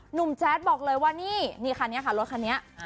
หนุ่มแจ๊ดบอกเลยว่านี่รถคันนี้